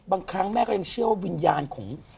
บางครั้งแม่ก็ยังเชื่อว่าวิญญาณของ